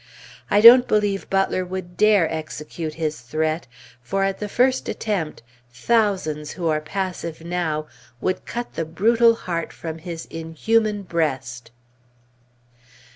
I don't believe Butler would dare execute his threat, for at the first attempt, thousands, who are passive now, would cut the brutal heart from his inhuman breast.